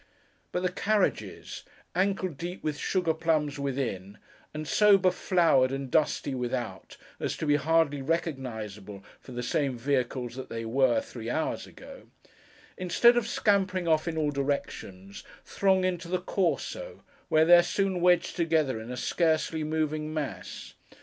But the carriages: ankle deep with sugar plums within, and so be flowered and dusty without, as to be hardly recognisable for the same vehicles that they were, three hours ago: instead of scampering off in all directions, throng into the Corso, where they are soon wedged together in a scarcely moving mass.